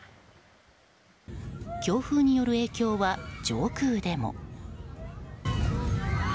強風による影響は上空でも。